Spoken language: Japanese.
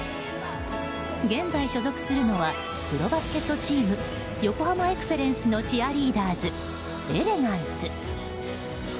現在所属するのはプロバスケットチーム横浜エクセレンスのチアリーダーズ、エレガンス。